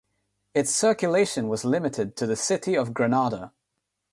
Its circulation was limited to the city of Granada.